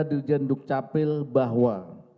dirjen dukcapil bahwa